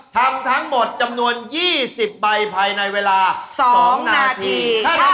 ทำทั้งหมดจำนวน๒๐ใบภายในเวลา๒นาที